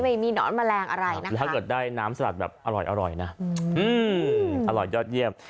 ไม่มีหนอนแมลงอะไรนะถ้าเกิดได้น้ำสลัดแบบอร่อยนะอร่อยยอดเยี่ยม